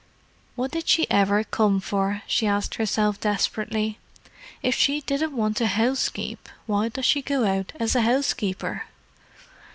"What did she ever come for?" she asked herself desperately. "If she didn't want to housekeep, why does she go out as a housekeeper?"